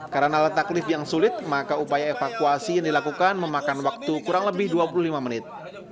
karena letak lift yang sulit maka upaya evakuasi yang dilakukan memakan waktu kurang lebih dua puluh lima menit